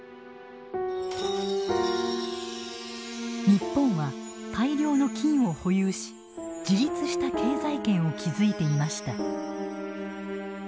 日本は大量の金を保有し自立した経済圏を築いていました。